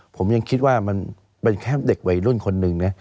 ผมยังคิดว่ามันแค่เด็กไวรุ่นคนนึงนะ